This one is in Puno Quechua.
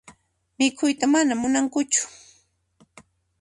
Mikhuyta mana munankuchu.